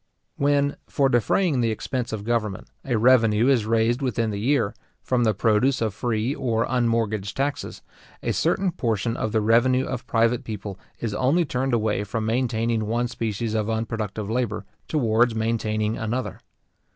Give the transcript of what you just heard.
When, for defraying the expense of government, a revenue is raised within the year, from the produce of free or unmortgaged taxes, a certain portion of the revenue of private people is only turned away from maintaining one species of unproductive labour, towards maintaining another.